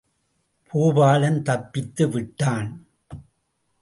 பூபாலன் தப்பித்து விட்டான்.